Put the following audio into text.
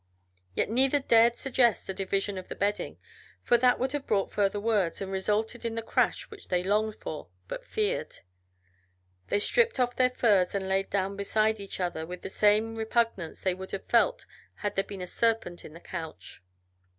Yet neither dared suggest a division of the bedding, for that would have brought further words and resulted in the crash which they longed for, but feared. They stripped off their furs, and lay down beside each other with the same repugnance they would have felt had there been a serpent in the couch.